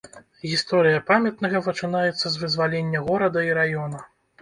Гісторыя памятнага пачынаецца з вызвалення горада і раёна.